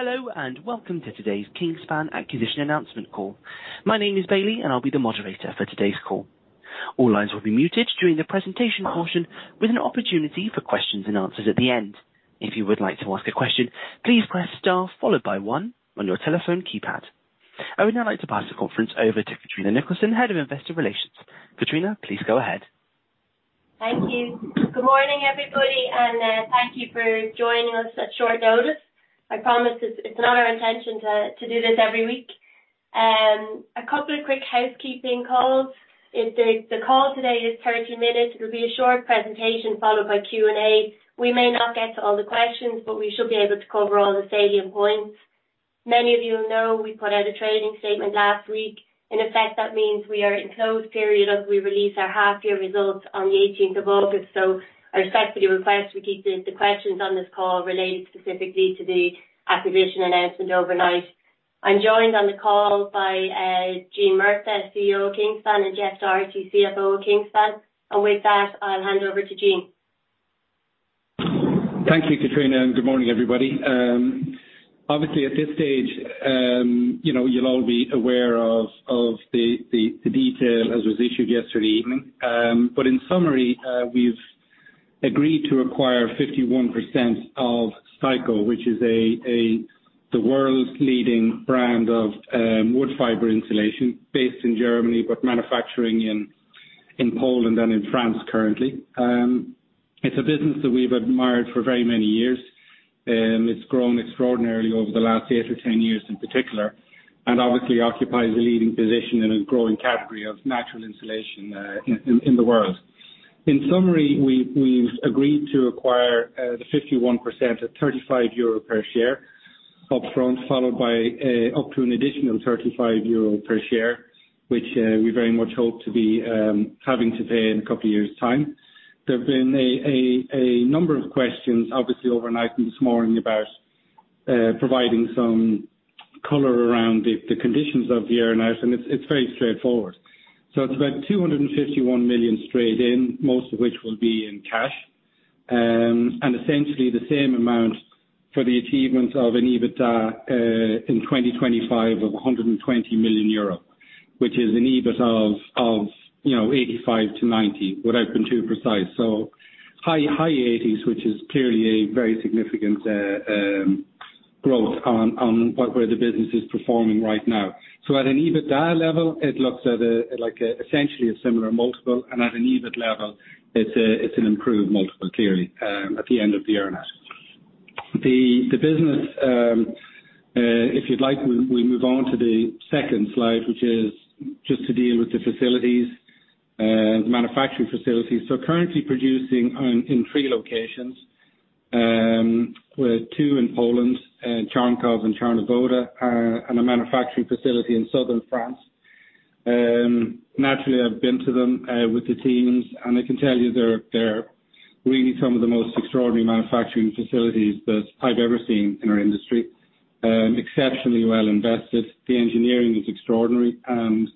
Hello, welcome to today's Kingspan acquisition announcement call. My name is Bailey, and I'll be the moderator for today's call. All lines will be muted during the presentation portion, with an opportunity for questions and answers at the end. If you would like to ask a question, please press star followed by one on your telephone keypad. I would now like to pass the conference over to Catriona Nicholson, Head of Investor Relations. Catriona, please go ahead. Thank you. Good morning, everybody. Thank you for joining us at short notice. I promise it's not our intention to do this every week. A couple of quick housekeeping calls. The call today is 30 minutes. It'll be a short presentation followed by Q&A. We may not get to all the questions. We should be able to cover all the salient points. Many of you know we put out a trading statement last week. In effect, that means we are in closed period as we release our half year results on the 18 August. I respectfully request we keep the questions on this call related specifically to the acquisition announcement overnight. I'm joined on the call by Gene Murtagh, CEO of Kingspan, and Geoff Doherty, CFO of Kingspan. With that, I'll hand over to Gene. Thank you, Catriona, good morning, everybody. Obviously, at this stage, you know, you'll all be aware of the detail as was issued yesterday evening. In summary, we've agreed to acquire 51% of STEICO, which is the world's leading brand of wood fibre insulation based in Germany, but manufacturing in Poland and in France currently. It's a business that we've admired for very many years. It's grown extraordinarily over the last eight or 10 years in particular, and obviously occupies a leading position in a growing category of natural insulation in the world. In summary, we've agreed to acquire the 51% at 35 euro per share upfront, followed by up to an additional 35 euro per share, which we very much hope to be having to pay in a couple of years' time. There have been a number of questions, obviously, overnight and this morning about providing some color around the conditions of the earn-out, and it's very straightforward. It's about 251 million straight in, most of which will be in cash. Essentially the same amount for the achievement of an EBITDA in 2025, of 120 million euro, which is an EBIT of, you know, 85 to 90, without being too precise. High 80s, which is clearly a very significant growth on where the business is performing right now. At an EBITDA level, it looks at a essentially a similar multiple, and at an EBIT level, it's an improved multiple, clearly, at the end of the earn-out. The business, if you'd like, we move on to the second slide, which is just to deal with the facilities, manufacturing facilities. Currently producing, in three locations, with two in Poland, Czarnków and Czarne, and a manufacturing facility in southern France. Naturally, I've been to them with the teams, and I can tell you they're really some of the most extraordinary manufacturing facilities that I've ever seen in our industry. Exceptionally well invested. The engineering is extraordinary, and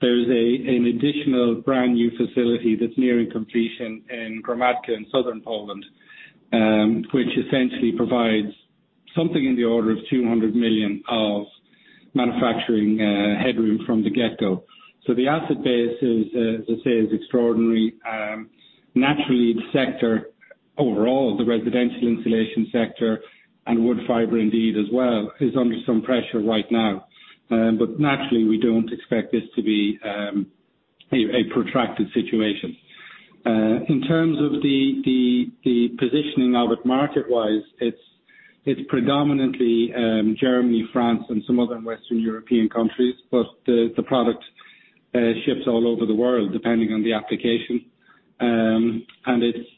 there's an additional brand-new facility that's nearing completion in Gromadka in southern Poland, which essentially provides something in the order of 200 million of manufacturing headroom from the get-go. The asset base is, as I say, extraordinary. Naturally, the sector overall, the residential insulation sector, and wood fibre indeed as well, is under some pressure right now. Naturally, we don't expect this to be a protracted situation. In terms of the positioning of it market-wise, it's predominantly Germany, France, and some other Western European countries, but the product ships all over the world, depending on the application.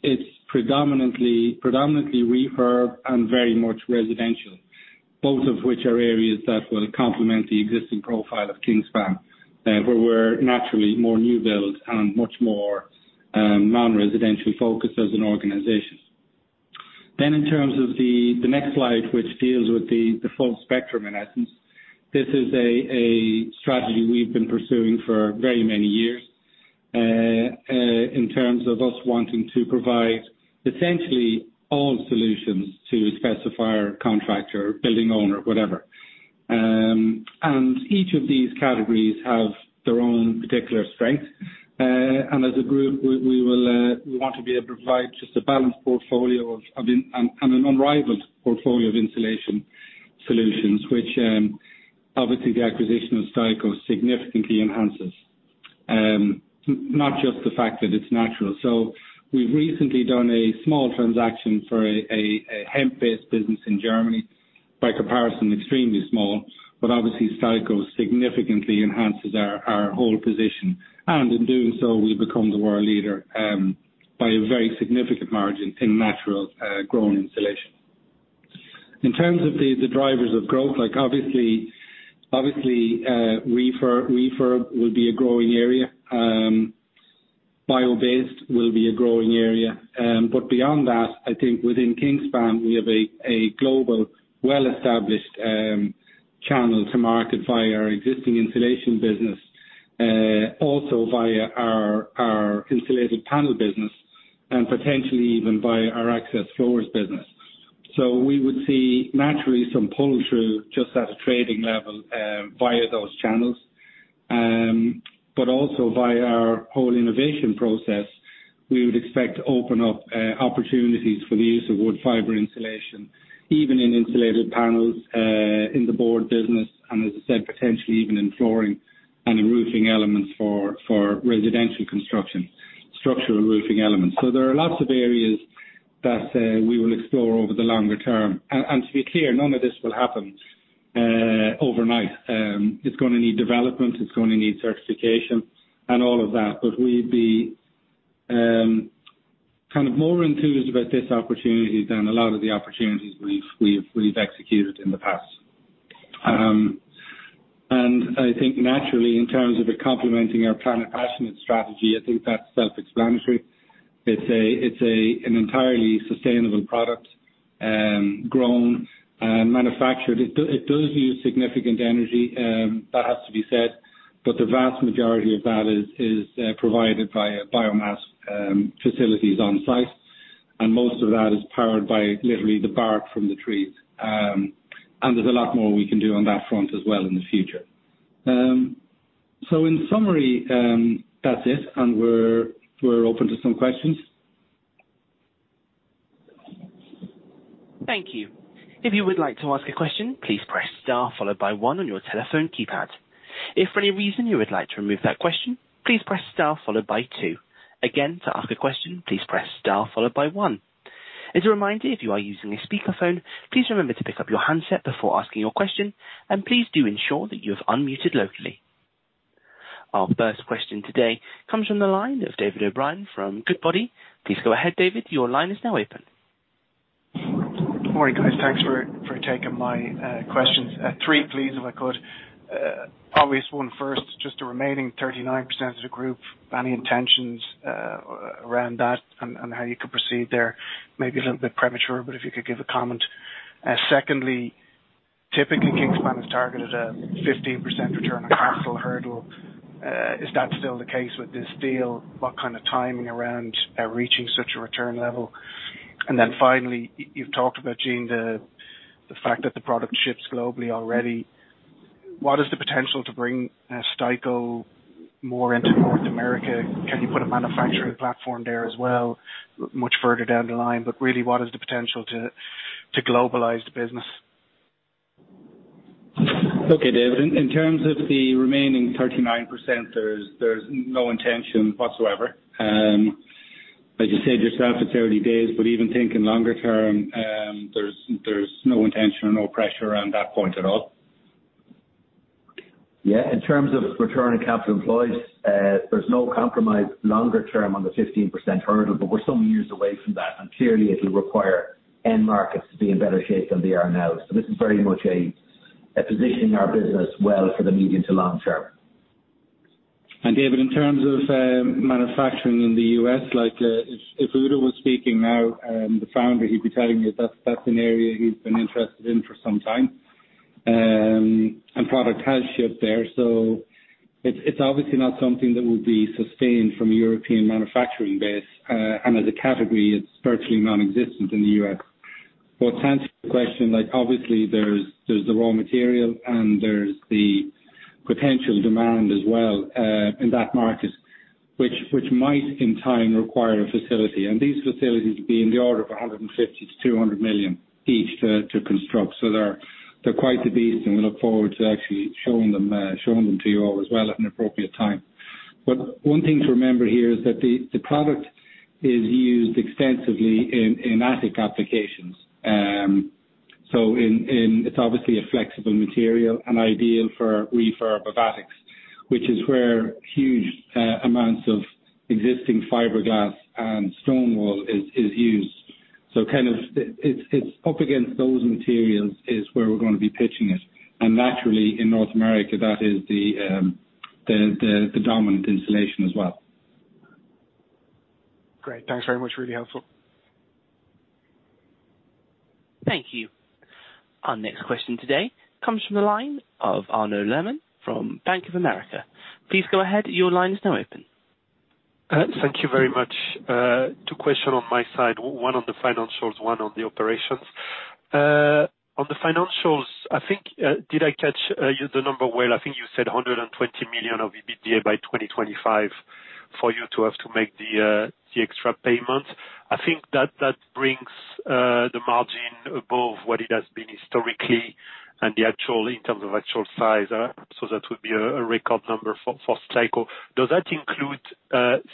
It's predominantly refurb and very much residential, both of which are areas that will complement the existing profile of Kingspan, where we're naturally more new build and much more non-residential focused as an organization. In terms of the next slide, which deals with the full spectrum, in essence, this is a strategy we've been pursuing for very many years. In terms of us wanting to provide essentially all solutions to a specifier, contractor, building owner, whatever. Each of these categories have their own particular strengths. As a group, we will, we want to be able to provide just a balanced portfolio of, and an unrivaled portfolio of insulation solutions, which obviously the acquisition of Steico significantly enhances. Not just the fact that it's natural. We've recently done a small transaction for a hemp-based business in Germany. By comparison, extremely small, but obviously STEICO significantly enhances our whole position, and in doing so, we become the world leader by a very significant margin in natural grown insulation. In terms of the drivers of growth, like obviously, refurb will be a growing area. Bio-based will be a growing area. Beyond that, I think within Kingspan, we have a global, well-established channel to market via our existing insulation business. also via our insulated panel business and potentially even via our access floors business. We would see naturally some pull-through just at a trading level via those channels. Also via our whole innovation process, we would expect to open up opportunities for the use of wood fibre insulation, even in insulated panels, in the board business, and as I said, potentially even in flooring and in roofing elements for residential construction, structural roofing elements. There are lots of areas that we will explore over the longer term. To be clear, none of this will happen overnight. It's gonna need development, it's gonna need certification and all of that, but we'd be kind of more enthused about this opportunity than a lot of the opportunities we've executed in the past. I think naturally, in terms of it complementing our Planet Passionate strategy, I think that's self-explanatory. It's an entirely sustainable product, grown and manufactured. It does use significant energy, that has to be said, but the vast majority of that is provided via biomass facilities on site, and most of that is powered by literally the bark from the trees. There's a lot more we can do on that front as well in the future. In summary, that's it, and we're open to some questions. Thank you. If you would like to ask a question, please press star followed by one on your telephone keypad. If for any reason you would like to remove that question, please press star followed by two. Again, to ask a question, please press star followed by one. As a reminder, if you are using a speakerphone, please remember to pick up your handset before asking your question, and please do ensure that you have unmuted locally. Our first question today comes from the line of David O'Brien from Goodbody. Please go ahead, David, your line is now open. Good morning, guys. Thanks for taking my questions. Three, please, if I could. Obvious one first, just the remaining 39% of the group, any intentions around that and how you could proceed there? Maybe a little bit premature, but if you could give a comment. Secondly, typically, Kingspan has targeted a 15% return on capital hurdle. Is that still the case with this deal? What kind of timing around reaching such a return level? Finally, you've talked about, Gene Murtagh, the fact that the product ships globally already. What is the potential to bring STEICO more into North America? Can you put a manufacturing platform there as well, much further down the line, but really, what is the potential to globalize the business? Okay, David. In terms of the remaining 39%, there's no intention whatsoever. As you said yourself, it's early days, but even thinking longer term, there's no intention or no pressure around that point at all. Yeah, in terms of return on capital employed, there's no compromise longer term on the 15% hurdle, but we're some years away from that, and clearly it will require end markets to be in better shape than they are now. This is very much a position in our business well for the medium to long term. David, in terms of manufacturing in the U.S., like, if Udo was speaking now, the founder, he'd be telling you that's an area he's been interested in for some time. Product has shipped there, so it's obviously not something that would be sustained from a European manufacturing base, and as a category, it's virtually non-existent in the U.S. To answer your question, like, obviously there's the raw material, and there's the potential demand as well, in that market, which might in time require a facility. These facilities would be in the order of 150 million-200 million each to construct. They're, they're quite the beast, and we look forward to actually showing them to you all as well at an appropriate time. One thing to remember here is that the product is used extensively in attic applications. It's obviously a flexible material and ideal for refurb of attics, which is where huge amounts of existing fiberglass and stone wool is used. Kind of it's up against those materials is where we're gonna be pitching it. Naturally, in North America, that is the dominant insulation as well. Great. Thanks very much. Really helpful. Thank you. Our next question today comes from the line of Arnaud Lehmann from Bank of America. Please go ahead. Your line is now open. Thank you very much. Two question on my side, one on the financials, one on the operations. On the financials, I think, did I catch the number well? I think you said 120 million of EBITDA by 2025 for you to have to make the extra payment. I think that brings the margin above what it has been historically and the actual, in terms of actual size, so that would be a record number for STEICO. Does that include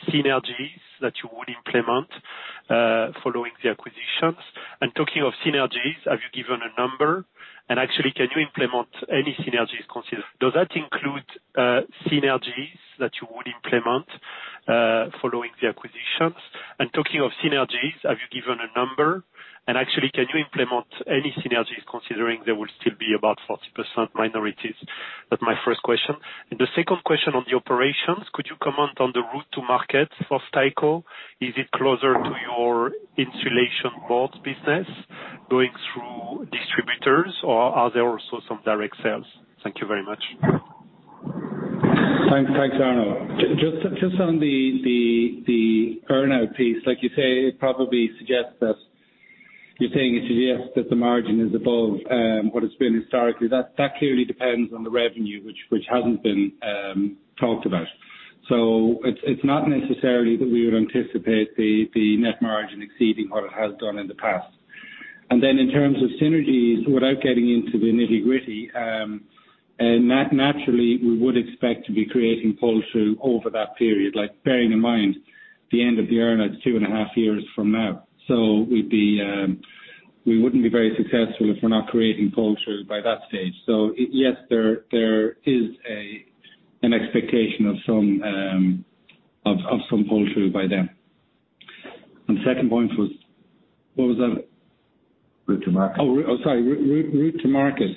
synergies that you would implement following the acquisitions? Talking of synergies, have you given a number? Actually, can you implement any synergies considered? Does that include synergies that you would implement following the acquisitions? Talking of synergies, have you given a number? Actually, can you implement any synergies, considering there will still be about 40% minorities? That's my first question. The second question on the operations: Could you comment on the route to market for STEICO? Is it closer to your insulation boards business, going through distributors or are there also some direct sales? Thank you very much. Thanks, Arnold. Just on the earn out piece, like you say, it probably suggests that you're saying it suggests that the margin is above what it's been historically. That clearly depends on the revenue, which hasn't been talked about. It's not necessarily that we would anticipate the net margin exceeding what it has done in the past. In terms of synergies, without getting into the nitty-gritty, naturally, we would expect to be creating pull-through over that period, like, bearing in mind, the end of the earn out is two and a half years from now. We'd be, we wouldn't be very successful if we're not creating pull-through by that stage. Yes, there is an expectation of some pull-through by then. Second point was, what was that? Route to market. Sorry, route to market.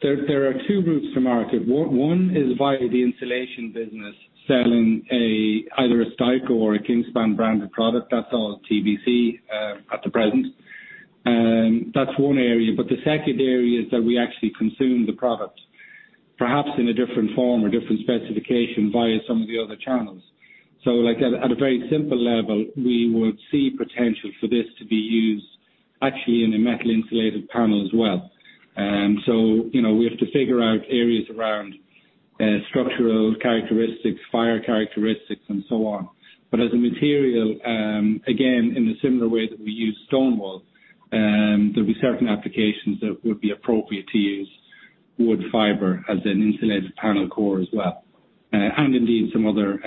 There are two routes to market. One is via the insulation business, selling either a STEICO or a Kingspan branded product. That's all TBC at the present. That's one area. The second area is that we actually consume the product, perhaps in a different form or different specification via some of the other channels. Like at a very simple level, we would see potential for this to be used actually in a metal insulated panel as well. You know, we have to figure out areas around structural characteristics, fire characteristics, and so on. As a material, again, in a similar way that we use stone wool, there'll be certain applications that would be appropriate to use wood fiber as an insulated panel core as well, and indeed some other,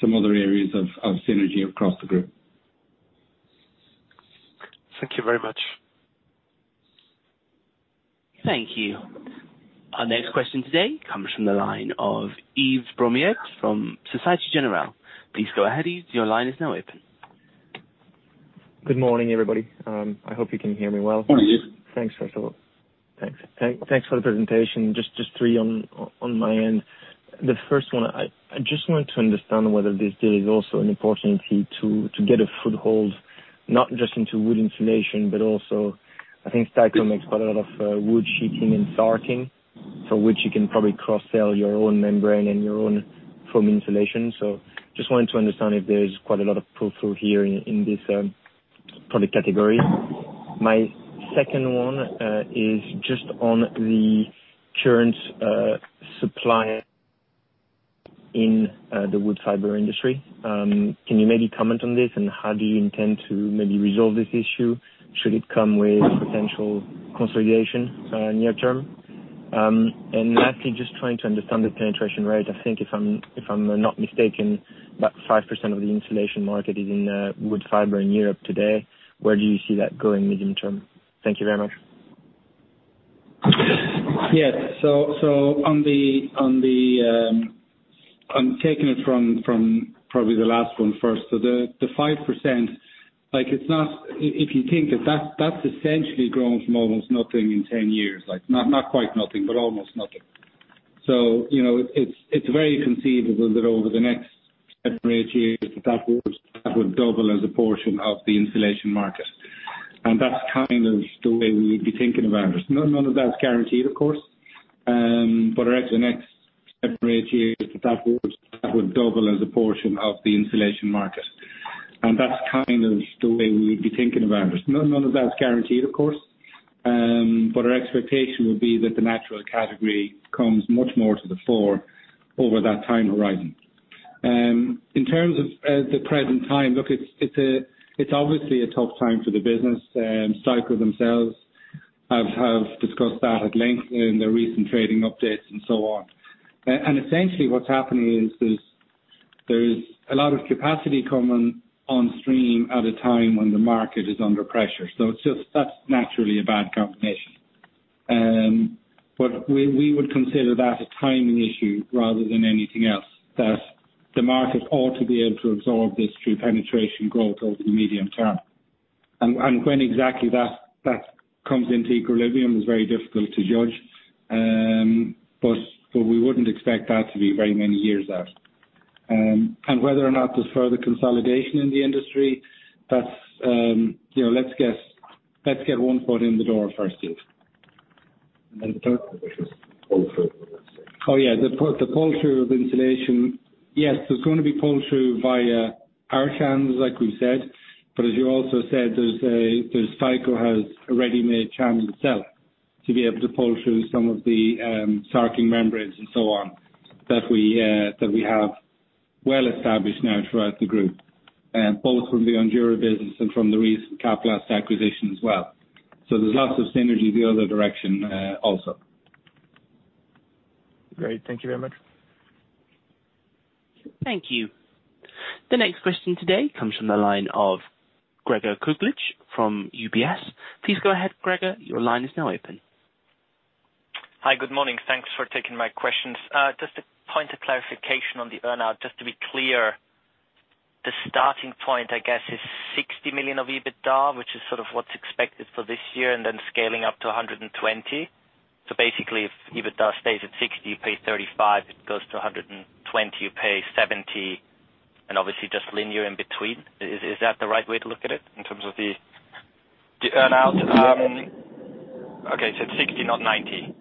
some other areas of synergy across the group. Thank you very much. Thank you. Our next question today comes from the line of Yves Bromiere from Societe Generale. Please go ahead, Yves, your line is now open. Good morning, everybody. I hope you can hear me well. Morning, Yves. Thanks, first of all. Thanks. Thanks for the presentation. Just three on my end. The first one, I just want to understand whether this deal is also an opportunity to get a foothold, not just into wood insulation, but also, I think STEICO makes quite a lot of wood sheeting and sarking, which you can probably cross-sell your own membrane and your own foam insulation. Just wanted to understand if there is quite a lot of pull-through here in this product category. My second one is just on the current supply in the wood fibre industry. Can you maybe comment on this? How do you intend to maybe resolve this issue should it come with potential consolidation near term? Lastly, just trying to understand the penetration rate. I think if I'm not mistaken, about 5% of the insulation market is in wood fiber in Europe today. Where do you see that going medium term? Thank you very much. Yeah. on the I'm taking it from probably the last one first. the 5%, like it's not. If you think that's essentially grown from almost nothing in 10 years, like, not quite nothing, but almost nothing. you know, it's very conceivable that over the next seven to eight years, that would double as a portion of the insulation market. That's kind of the way we would be thinking about it. None of that's guaranteed, of course, over the next seven to eight years, that would double as a portion of the insulation market. That's kind of the way we would be thinking about it. None, none of that's guaranteed, of course, but our expectation would be that the natural category comes much more to the fore over that time horizon. In terms of the present time, look, it's obviously a tough time for the business. STEICO themselves have discussed that at length in their recent trading updates and so on. Essentially, what's happening is, there is a lot of capacity coming on stream at a time when the market is under pressure. It's just, that's naturally a bad combination. We would consider that a timing issue rather than anything else. That the market ought to be able to absorb this through penetration growth over the medium term. When exactly that comes into equilibrium is very difficult to judge, but we wouldn't expect that to be very many years out. Whether or not there's further consolidation in the industry, that's, you know, let's get one foot in the door first, Yves. The third was pull-through. Yeah, the pull-through of insulation. There's going to be pull-through via our channels, like we said, but as you also said, there's STEICO has a ready-made channel itself to be able to pull through some of the sarking membranes and so on, that we that we have well established now throughout the group both from the Ondura business and from the recent CaPlast acquisition as well. There's lots of synergy the other direction also. Great. Thank you very much. Thank you. The next question today comes from the line of Gregor Kuglitsch from UBS. Please go ahead, Gregor. Your line is now open. Hi, good morning. Thanks for taking my questions. Just a point of clarification on the earn-out, just to be clear, the starting point, I guess, is 60 million of EBITDA, which is what's expected for this year, then scaling up to 120 million. Basically, if EBITDA stays at 60 million, you pay 35 million, it goes to 120 million, you pay 70 million. Obviously just linear in between. Is that the right way to look at it in terms of the earn-out? Okay, it's 60 million, not 90 million.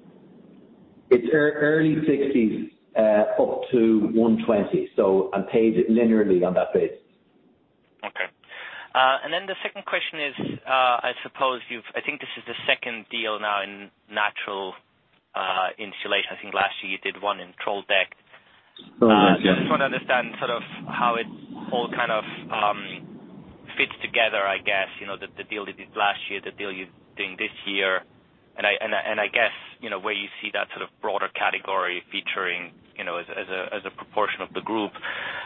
It's early 60, up to 120, and paid linearly on that base. Okay. The second question is, I suppose I think this is the second deal now in natural insulation. I think last year you did one in Troldtekt. Yes. Just want to understand sort of how it all kind of fits together, I guess, you know, the deal you did last year, the deal you're doing this year. I guess, you know, where you see that sort of broader category featuring, you know, as a proportion of the group.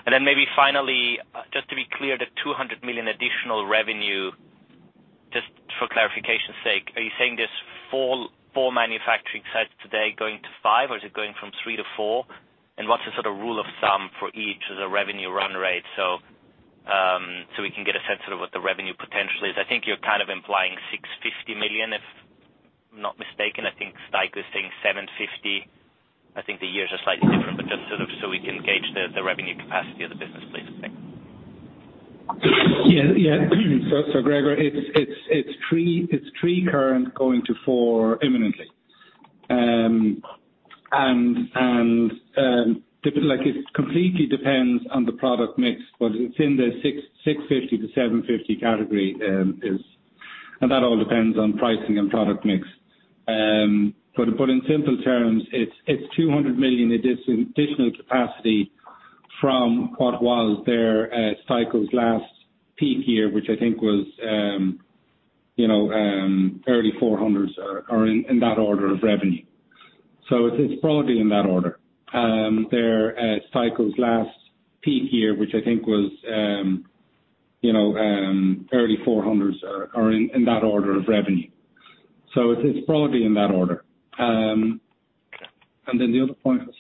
Then maybe finally, just to be clear, the 200 million additional revenue, just for clarification's sake, are you saying there's four manufacturing sites today going to five, or is it going from three to four? And what's the sort of rule of thumb for each of the revenue run rates, so we can get a sense of what the revenue potential is. I think you're kind of implying 650 million, if I'm not mistaken. I think STEICO is saying 750 million. I think the years are slightly different, but just sort of so we can gauge the revenue capacity of the business, please and thank you. Yeah. Yeah. Gregor, it's three current going to four imminently. Like, it completely depends on the product mix, but it's in the 650 to 750 category, is. That all depends on pricing and product mix. To put in simple terms, it's 200 million additional capacity from what was there, STEICO's last peak year, which I think was, you know, early 400 million or in that order of revenue. It is probably in that order. Their STEICO's last peak year, which I think was, you know, early 400 million or in that order of revenue. It is probably in that order. The other point was.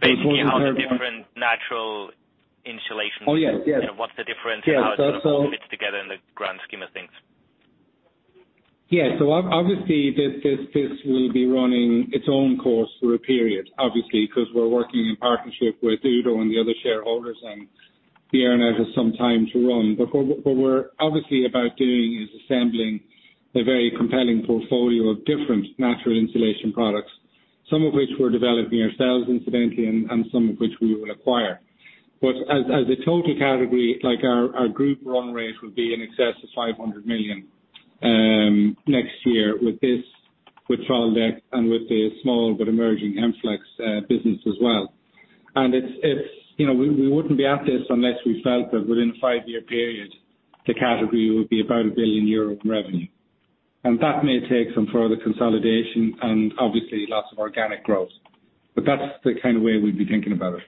Basically, how the different natural insulation. Oh, yes. Yes. what's the difference- Yes. How it sort of all fits together in the grand scheme of things? Yeah. Obviously, this will be running its own course through a period, obviously, because we're working in partnership with Udo and the other shareholders, and the earn-out has some time to run. We're obviously about doing is assembling a very compelling portfolio of different natural insulation products, some of which we're developing ourselves, incidentally, and some of which we will acquire. As a total category, like our group run rate will be in excess of 500 million next year with this, with Troldtekt and with the small but emerging MFlex business as well. It's, you know, we wouldn't be at this unless we felt that within a five-year period, the category would be about 1 billion euro in revenue. That may take some further consolidation and obviously lots of organic growth, but that's the kind of way we'd be thinking about it.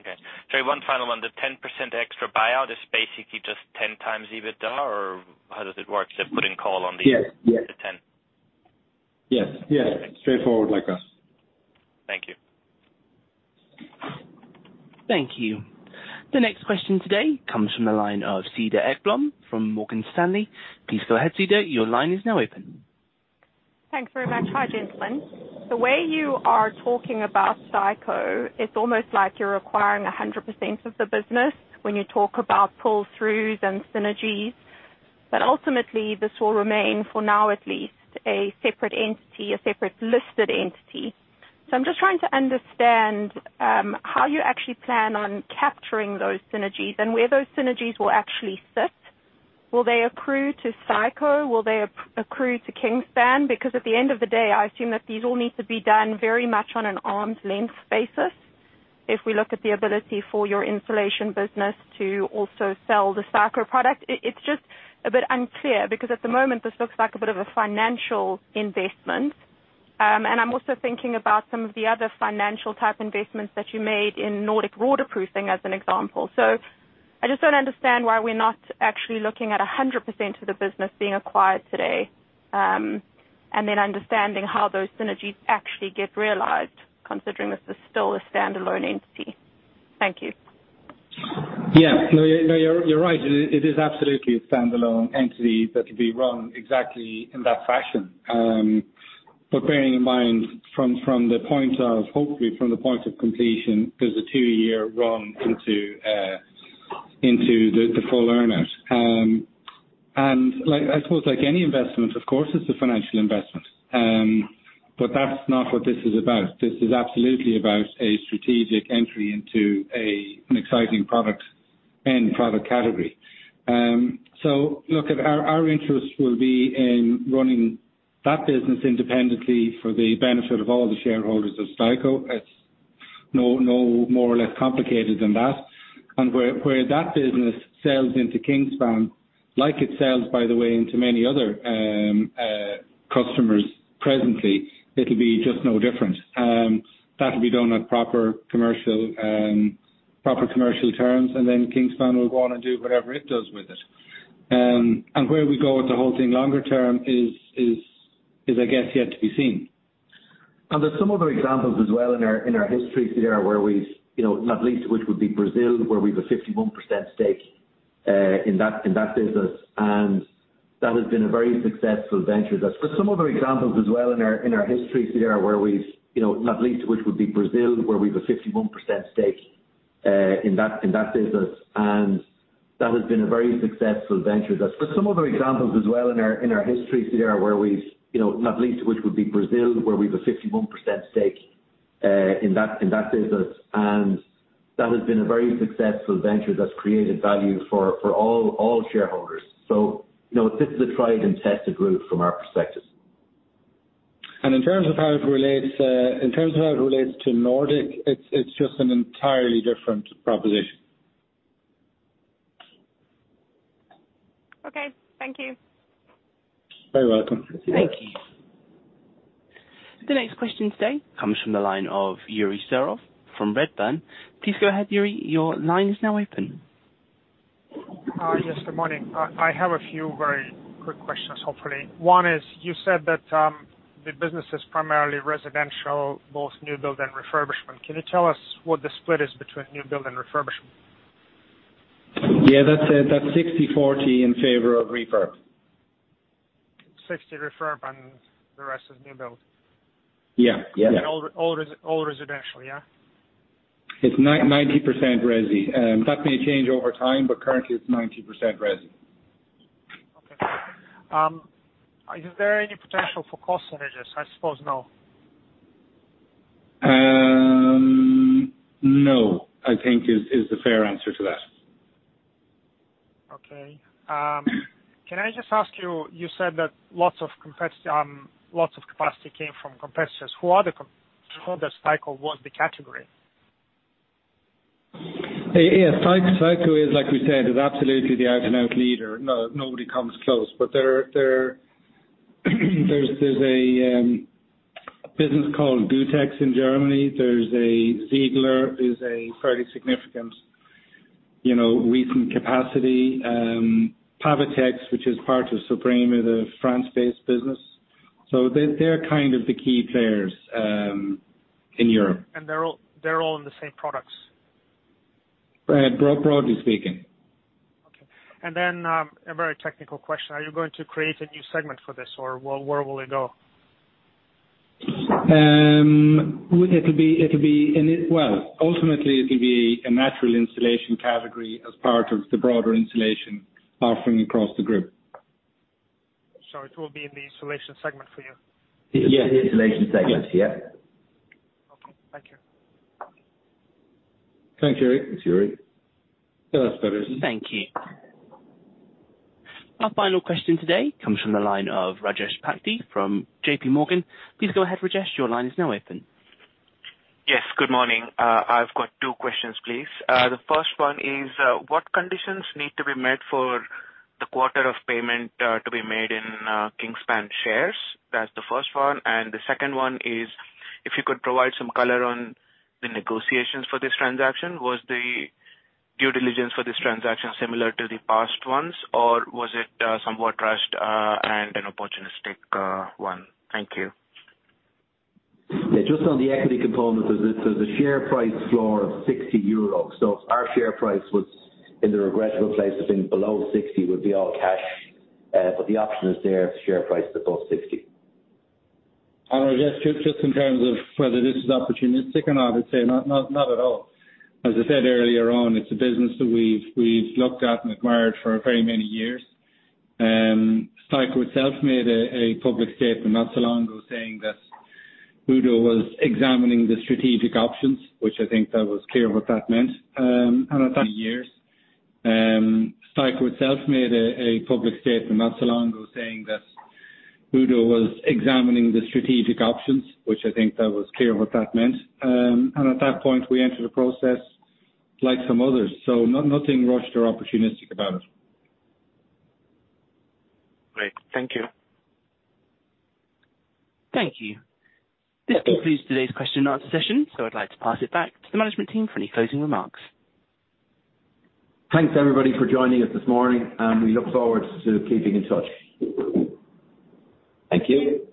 Okay. Sorry, one final one. The 10% extra buyout is basically just 10x EBITDA, or how does it work? Yes, yes. The 10. Yes. Yes. Straightforward like that. Thank you. Thank you. The next question today comes from the line of Cedar Ekblom from Morgan Stanley. Please go ahead, Cedar, your line is now open. Thanks very much. Hi, gentlemen. The way you are talking about STEICO, it's almost like you're acquiring 100% of the business when you talk about pull-throughs and synergies. Ultimately, this will remain, for now at least, a separate entity, a separate listed entity. I'm just trying to understand how you actually plan on capturing those synergies and where those synergies will actually sit. Will they accrue to STEICO? Will they accrue to Kingspan? At the end of the day, I assume that these all need to be done very much on an arm's length basis. If we look at the ability for your insulation business to also sell the STEICO product, it's just a bit unclear, because at the moment, this looks like a bit of a financial investment. I'm also thinking about some of the other financial type investments that you made in Nordic Waterproofing, as an example. I just don't understand why we're not actually looking at 100% of the business being acquired today, and then understanding how those synergies actually get realized, considering this is still a standalone entity. Thank you. Yeah. No, you're right. It is absolutely a standalone entity that will be run exactly in that fashion. Bearing in mind, from the point of, hopefully, from the point of completion, there's a 2-year run into the full earn-out. Like, I suppose like any investment, of course, it's a financial investment, but that's not what this is about. This is absolutely about a strategic entry into an exciting product and product category. Look, our interest will be in running that business independently for the benefit of all the shareholders of STEICO. It's no more or less complicated than that. Where that business sells into Kingspan, like it sells, by the way, into many other customers presently, it'll be just no different. That'll be done at proper commercial, proper commercial terms. Kingspan will go on and do whatever it does with it. Where we go with the whole thing longer term is I guess, yet to be seen. There's some other examples as well in our history, Cedar, where we've, you know, not least, which would be Brazil, where we've a 51% stake in that business. That has been a very successful venture. That's for some other examples as well in our history here, where we've, you know, not least, which would be Brazil, where we've a 61% stake in that business. That has been a very successful venture. For some other examples as well in our history here, where we've, you know, not least, which would be Brazil, where we've a 61% stake in that business. That has been a very successful venture that's created value for all shareholders. You know, this is a tried and tested route from our perspective. In terms of how it relates to Nordic, it's just an entirely different proposition. Okay, thank you. Very welcome. Thank you. The next question today comes from the line of Yuri Serov from Redburn. Please go ahead, Yuri. Your line is now open. Yes, good morning. I have a few very quick questions, hopefully. One is: You said that the business is primarily residential, both new build and refurbishment. Can you tell us what the split is between new build and refurbishment? Yeah, that's 60/40 in favor of refurb. 60 refurb, and the rest is new build? Yeah. Yeah. All residential, yeah? It's 90% resi. That may change over time, but currently it's 90% resi. Okay. Is there any potential for cost synergies? I suppose, no. No, I think is the fair answer to that. Okay. Can I just ask you said that lots of capacity came from competitors. Who are the who does STEICO want the category? Yeah. STEICO is, like we said, is absolutely the out-and-out leader. No, nobody comes close. There's a business called GUTEX in Germany. There's a Ziegler, is a fairly significant, you know, recent capacity. PAVATEX, which is part of SOPREMA, the France-based business. They're kind of the key players in Europe. They're all in the same products? Broadly speaking. Okay. A very technical question: Are you going to create a new segment for this, or where will it go? Well, ultimately, it'll be a natural insulation category as part of the broader insulation offering across the group. It will be in the insulation segment for you? Yeah. In the insulation segment. Yeah. Okay, thank you. Thanks, Yuri. Thank you. Our final question today comes from the line of Elodie Rall from J.P. Morgan. Please go ahead, Rajesh, your line is now open. Yes, good morning. I've got two questions, please. The first one is, what conditions need to be met for the quarter of payment to be made in Kingspan shares? That's the first one. The second one is, if you could provide some color on the negotiations for this transaction. Was the due diligence for this transaction similar to the past ones, or was it somewhat rushed and an opportunistic one? Thank you. Yeah, just on the equity component, there's a share price floor of 60 euros. If our share price was in the regrettable place of being below 60, would be all cash, but the option is there if the share price is above 60. Rajesh, just in terms of whether this is opportunistic or not, I'd say not at all. As I said earlier on, it's a business that we've looked at and admired for very many years. Steico itself made a public statement not so long ago saying that Udo was examining the strategic options, which I think that was clear what that meant. At that years, Steico itself made a public statement not so long ago saying that Udo was examining the strategic options, which I think that was clear what that meant. At that point, we entered a process like some others, so nothing rushed or opportunistic about it. Great. Thank you. Thank you. This concludes today's question and answer session. I'd like to pass it back to the management team for any closing remarks. Thanks, everybody, for joining us this morning, and we look forward to keeping in touch. Thank you.